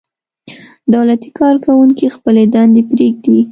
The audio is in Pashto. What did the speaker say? دولتي کارکوونکي خپلې دندې پرېږدي.